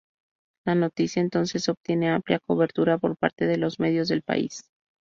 La noticia entonces obtiene amplia cobertura por parte de los medios del país.